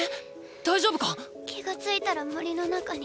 ⁉大丈夫か⁉気が付いたら森の中に。